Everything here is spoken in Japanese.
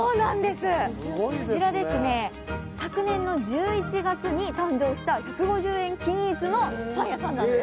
こちら、昨年の１１月に誕生した１５０円均一のパン屋さんなんです。